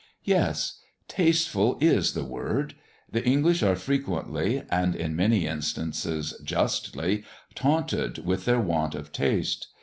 Yes! tasteful is the word. The English are frequently, and in many instances justly, taunted with their want of taste.